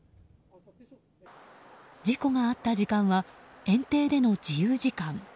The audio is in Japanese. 事故があった時間は園庭での自由時間。